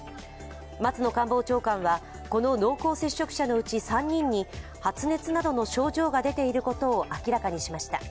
松野官房長官は、この濃厚接触者のうち３人に発熱などの症状が出ていることを明らかにしました。